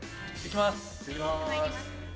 いきます！